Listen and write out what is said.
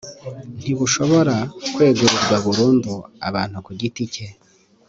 ntibushobora kwegurirwa burundu abantu ku giti cye